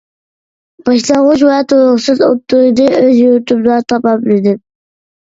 باشلانغۇچ ۋە تولۇقسىز ئوتتۇرىنى ئۆز يۇرتۇمدا تاماملىدىم.